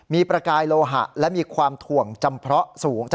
มีประกายโลหะและมีความถ่วงจำเพราะสูง